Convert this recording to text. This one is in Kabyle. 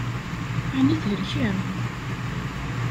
Ɛni thelkem?